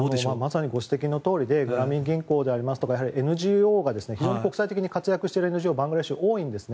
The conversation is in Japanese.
まさにご指摘のとおりでグラミン銀行とか非常に国際的に活動しているＮＧＯがバングラデシュには多いんです。